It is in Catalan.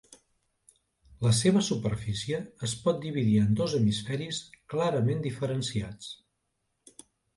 La seva superfície es pot dividir en dos hemisferis clarament diferenciats.